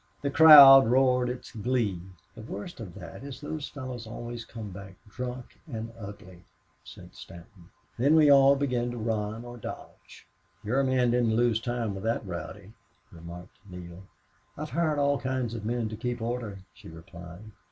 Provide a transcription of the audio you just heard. The crowd roared its glee. "The worst of that is those fellows always come back drunk and ugly," said Stanton. "Then we all begin to run or dodge." "Your men didn't lose time with that rowdy," remarked Neale. "I've hired all kinds of men to keep order," she replied.